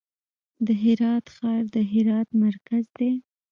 د هرات ښار د هرات مرکز دی